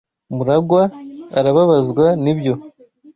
MuragwA arababazwa nibyo.